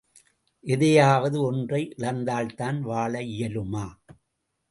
எதையாவது ஒன்றை இழந்தால்தான் வாழ இயலுமா?